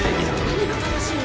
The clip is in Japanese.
「何が正しいの？」